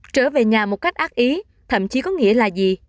trở về nhà một cách ác ý thậm chí có nghĩa là gì